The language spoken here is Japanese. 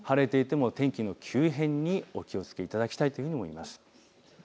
晴れていても天気の急変にお気をつけいただきたいと思います。